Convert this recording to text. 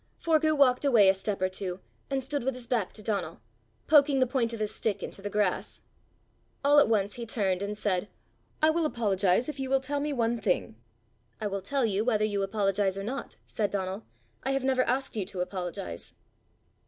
Forgue walked away a step or two, and stood with his back to Donal, poking the point of his stick into the grass. All at once he turned and said: "I will apologize if you will tell me one thing." "I will tell you whether you apologize or not," said Donal. "I have never asked you to apologize."